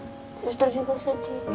suster juga sedih